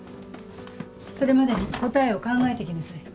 それまでに答えを考えてきなさい。